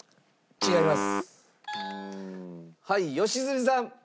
違います。